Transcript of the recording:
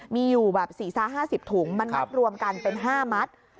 มีอยู่แบบ๔๕๐ถุงมันมัดรวมกันเป็น๕มัด